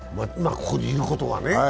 ここにいることがね。